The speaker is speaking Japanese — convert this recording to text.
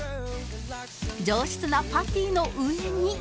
上質なパティの上に